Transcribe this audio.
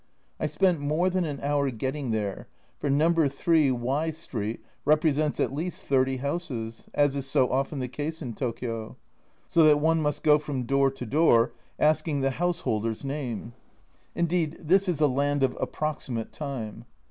I spent more than an hour getting there, for " No. 3" Y Street represents at least thirty houses, as is so often the case in Tokio, so that one must go from door to door asking the householder's name. Indeed, this is a " Land of Approximate Time."